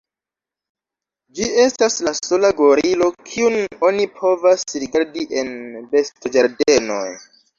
Ĝi estas la sola gorilo, kiun oni povas rigardi en bestoĝardenoj.